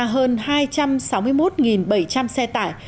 hơn hai trăm sáu mươi một bảy trăm linh xe tải